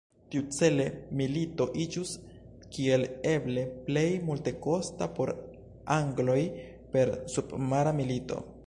Tiucele milito iĝus kiel eble plej multekosta por angloj per submara milito.